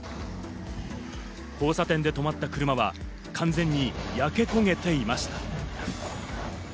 交差点で止まった車は完全に焼け焦げていました。